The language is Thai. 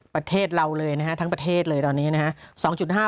ประเทศเราเลยนะฮะทั้งประเทศเลยตอนนี้นะฮะ